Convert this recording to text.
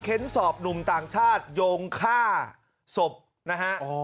สอบหนุ่มต่างชาติโยงฆ่าศพนะฮะ